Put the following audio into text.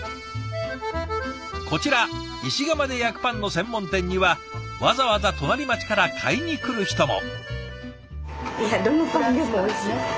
こちら石窯で焼くパンの専門店にはわざわざ隣町から買いに来る人も。